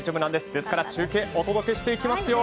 ですから中継、お届けしていきますよ。